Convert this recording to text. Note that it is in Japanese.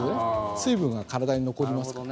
水分が体に残りますから。